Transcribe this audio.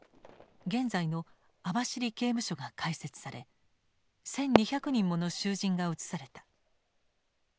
現在の網走刑務所が開設され１，２００人もの囚人が移された。